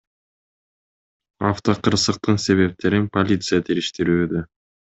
Автокырсыктын себептерин полиция териштирүүдө.